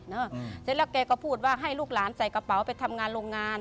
เสร็จแล้วแกก็พูดว่าให้ลูกหลานใส่กระเป๋าไปทำงานโรงงาน